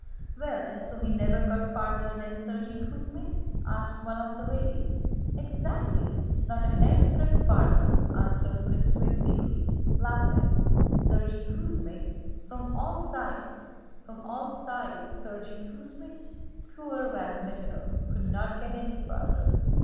"Well, and so he never got farther than: 'Sergéy Kuzmích'?" asked one of the ladies. "Exactly, not a hair's breadth farther," answered Prince Vasíli, laughing, "'Sergéy Kuzmích... From all sides... From all sides... Sergéy Kuzmích...' Poor Vyazmítinov could not get any farther!